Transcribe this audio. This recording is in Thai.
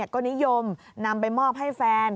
ก็นิยมนำไปมอบให้แฟน